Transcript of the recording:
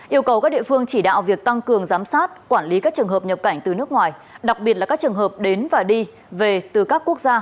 yêu cầu các địa phương chỉ đạo việc tăng cường giám sát quản lý các trường hợp nhập cảnh từ nước ngoài đặc biệt là các trường hợp đến và đi về từ các quốc gia